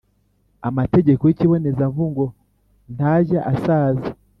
amategeko y’ikibonezamvugo ntajya asaza.